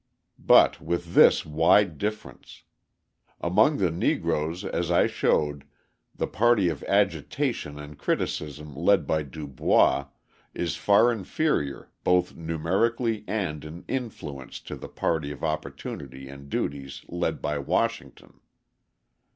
But with this wide difference: among the Negroes as I showed, the party of agitation and criticism led by DuBois is far inferior both numerically and in influence to the party of opportunity and duties led by Washington.